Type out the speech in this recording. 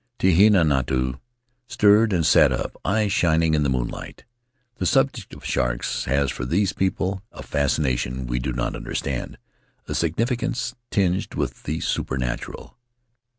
Tehinatu stirred and sat up, eyes shining in the moonlight. The subject of sharks has for these people Tahitian Tales a fascination we do not understand, a significance tinged with the supernatural.